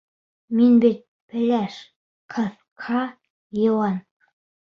Мин бит пеләш, ҡыҫҡа, йыуан...